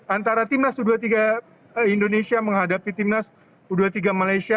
antara timnas u dua puluh tiga indonesia menghadapi timnas u dua puluh tiga malaysia